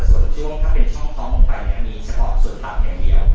ส่วนช่วงถ้าเป็นช่องท้องไปนะมีเฉพาะส่วนตัดอย่างเดียว